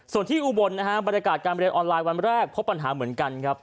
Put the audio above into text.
ส่วนที่อุบลบริการการไปเรียนออนไลน์วันแรกพบปัญหาเหมือนกัน